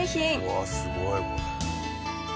うわあすごいこれ。